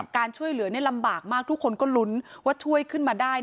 การช่วยเหลือนี่ลำบากมากทุกคนก็ลุ้นว่าช่วยขึ้นมาได้